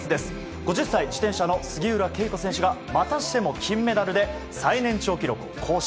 ５０歳、自転車の杉浦佳子選手が、またしても金メダルで最年長記録を更新。